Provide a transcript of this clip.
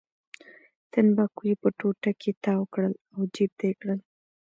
تنباکو یې په ټوټه کې تاو کړل او جېب ته یې کړل.